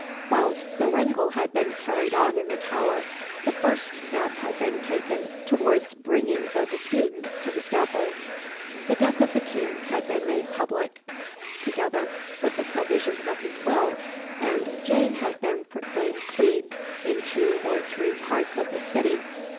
Whilst the wrangle had been carried on in the Tower, the first step had been taken towards bringing the disputants to the scaffold. The death of the King had been made public, together with the provisions of his will, and Jane had been proclaimed Queen in two or three parts of the City.